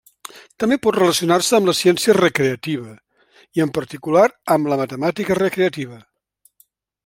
També pot relacionar-se amb la ciència recreativa, i en particular amb la matemàtica recreativa.